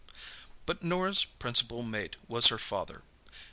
But Norah's principal mate was her father.